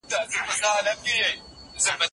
پانګوال نظام د خلګو حقونه ضايع کوي.